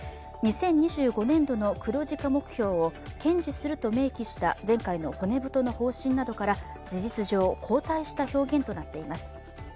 ２０２５年度の黒字化目標を堅持すると明記した前回の骨太の方針などから、事実上後退した表現となっています。